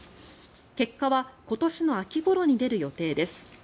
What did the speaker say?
結果は今年の秋ごろに出る予定です。